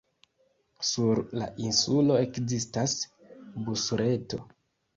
Sur la insulo ekzistas busreto.